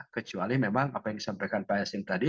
kecuali memang apa yang disampaikan pak yasin tadi